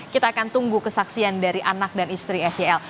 kita akan tunggu kesaksian dari anak dan istri sel